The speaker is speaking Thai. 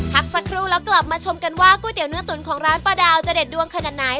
พักสักครู่แล้วกลับมาชมกันว่าก๋วยเตี๋เนื้อตุ๋นของร้านป้าดาวจะเด็ดดวงขนาดไหน